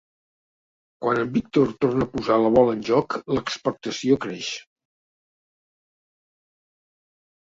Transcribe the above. Quan el Víctor torna a posar la bola en joc l'expectació creix.